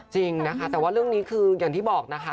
จริงนะคะแต่ว่าเรื่องนี้คืออย่างที่บอกนะคะ